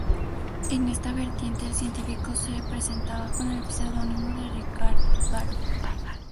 En esta vertiente, el científico se presentaba con el pseudónimo de Ricard Baró.